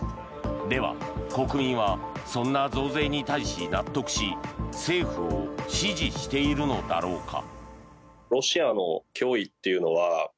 では国民はそんな増税に対し納得し政府を支持しているのだろうか。